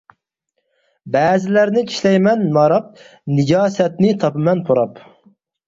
بەزىلەرنى چىشلەيمەن ماراپ، نىجاسەتنى تاپىمەن پۇراپ.